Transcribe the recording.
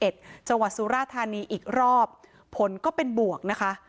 จังหวัดสุราธานีอีกรอบผลก็เป็นบวกนะคะ